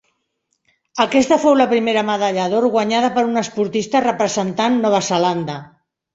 Aquesta fou la primera medalla d'or guanyada per un esportista representat Nova Zelanda.